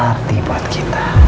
berarti buat kita